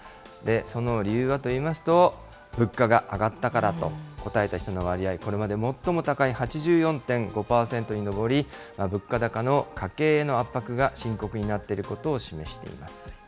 その理由はといいますと、物価が上がったからと答えた人の割合、これまでで最も高い８４．５％に上り、物価高の家計への圧迫が深刻になっていることを示しています。